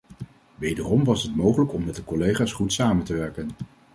Wederom was het mogelijk om met de collega's goed samen te werken.